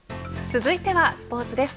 続いてはスポーツです。